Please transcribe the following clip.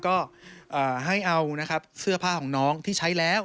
ก็ให้เอานะครับเสื้อผ้าของน้องที่ใช้แล้ว